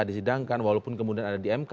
disidangkan walaupun kemudian ada di mk